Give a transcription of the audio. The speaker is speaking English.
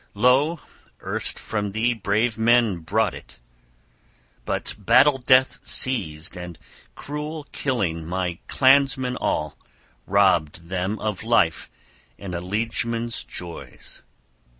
Lo, erst from thee brave men brought it! But battle death seized and cruel killing my clansmen all, robbed them of life and a liegeman's joys.